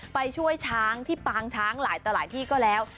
ไปช่วยช้างที่ปางช้างหลายต่อหลายที่ก็แล้ว